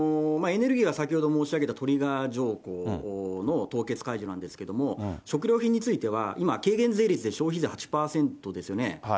エネルギーは先ほど申し上げたトリガー条項の凍結解除なんですけれども、食料品については、今、軽減税率で消費税８％ですよね。